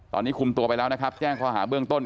ตอนนี้คุมตัวไปแล้วนะครับแจ้งข้อหาเบื้องต้น